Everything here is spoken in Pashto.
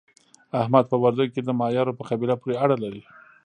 احمد په وردګو کې د مایارو په قبیله پورې اړه لري.